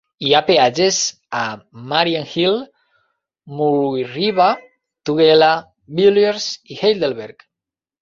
Hi ha peatges a Marianhill, Mooiriver, Tugela, Villiers i Heidelberg.